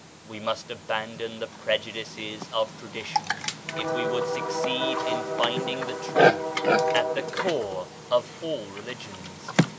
We must abandon the pre judices of tradition if we would succeed in finding the Truth at the core of all Religions.